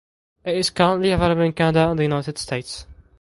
It is currently available in Canada and the United States.